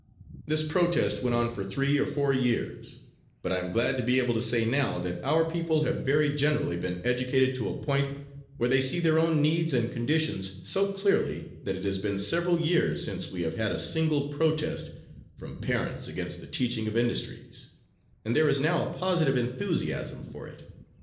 This protest went on for three or four years, but I am glad to be able to say now that our people have very generally been educated to a point where they see their own needs and conditions so clearly that it has been several years since we have had a single protest from parents against the teaching of industries, and there is now a positive enthusiasm for it.